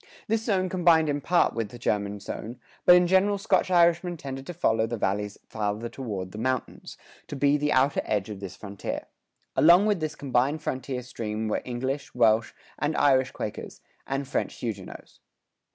This zone combined in part with the German zone, but in general Scotch Irishmen tended to follow the valleys farther toward the mountains, to be the outer edge of this frontier. Along with this combined frontier stream were English, Welsh and Irish Quakers, and French Huguenots.